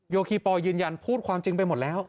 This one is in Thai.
คีปอลยืนยันพูดความจริงไปหมดแล้ว